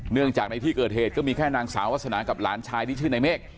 เนื่องจากในที่เกิดเหตุก็มีแค่นางสาววาสนากับหลานชายที่ชื่อในเมฆ